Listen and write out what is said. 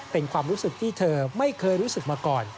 เป็นความรู้สึกที่เธอไม่เคยรู้สึกมาก่อน